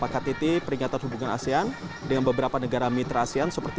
ktt asean pbb yang ke sembilan